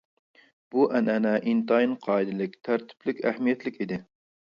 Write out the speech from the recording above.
بۇ ئەنئەنە ئىنتايىن قائىدىلىك، تەرتىپلىك، ئەھمىيەتلىك ئىدى.